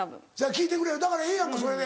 聞いてくれるだからええやんかそれで。